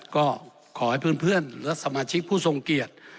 ก็ขอให้เพื่อนและสมาชิกผู้ทรงเกียรติ